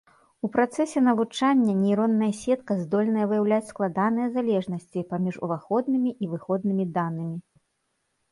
У працэсе навучання нейронная сетка здольная выяўляць складаныя залежнасці паміж уваходнымі і выходнымі данымі.